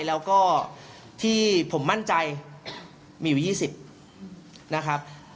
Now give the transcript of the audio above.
แล้วก็ที่ผมมั่นใจมีอยู่๒๐นะครับ